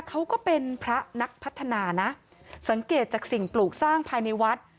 เขาก็เป็นพระนักพัฒนานะสังเกตจากสิ่งปลูกสร้างภายในวัด